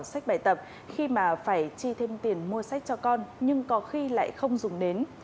sách bài tập khi mà phải chi thêm tiền mua sách cho con nhưng có khi lại không dùng đến